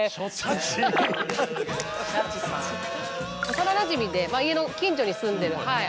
幼なじみで家の近所に住んでる。